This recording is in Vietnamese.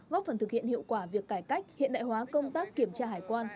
góp phần thực hiện hiệu quả việc cải cách hiện đại hóa công tác kiểm tra hải quan